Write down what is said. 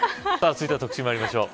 続いては特集まいりましょう。